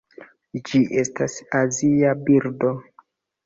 Ĝi estas azia birdo.